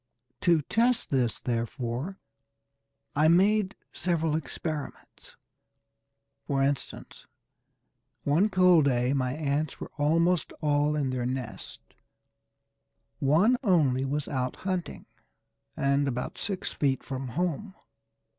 To test this, therefore, I made several experiments. For instance, one cold day my ants were almost all in their nests. One only was out hunting and about six feet from home.